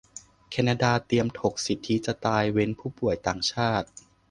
แคนาดาเตรียมถก "สิทธิที่จะตาย" เว้นผู้ป่วยต่างชาติ